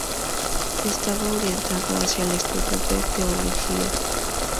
Estaba orientado hacia el estudio de teología.